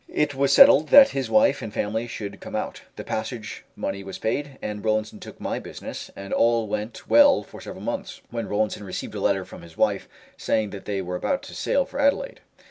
It was settled that his wife and family should come out, the passage money was paid, and Rollinson took my business, and all went well for several months, when Rollinson received a letter from his wife, saying that they were about to sail for Adelaide.